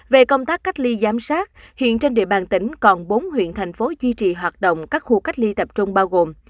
về công tác cách ly giám sát hiện trên địa bàn tỉnh còn bốn huyện thành phố duy trì hoạt động các khu cách ly tập trung bao gồm